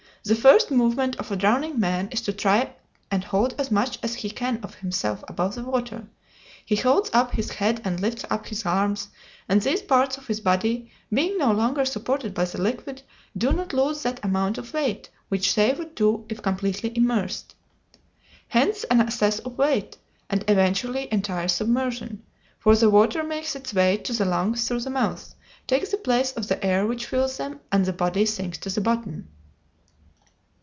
The first movement of a drowning man is to try and hold as much as he can of himself above the water; he holds up his head and lifts up his arms, and these parts of his body, being no longer supported by the liquid, do not lose that amount of weight which they would do if completely immersed. Hence an excess of weight, and eventually entire submersion, for the water makes its way to the lungs through the mouth, takes the place of the air which fills them, and the body sinks to the bottom.